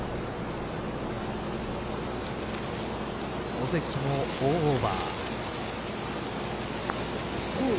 尾関も４オーバー。